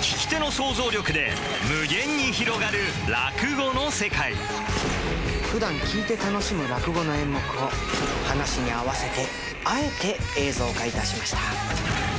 聞き手の想像力で無限に広がる落語の世界ふだん聞いて楽しむ落語の演目を噺に合わせてあえて映像化致しました。